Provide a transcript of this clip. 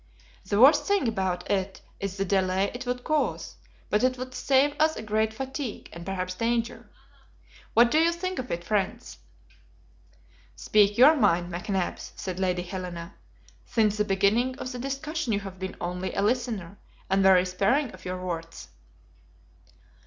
The worst thing about it is the delay it would cause; but it would save us great fatigue, and perhaps danger. What do you think of it, friends?" "Speak your mind, McNabbs," said Lady Helena. "Since the beginning of the discussion you have been only a listener, and very sparing of your words."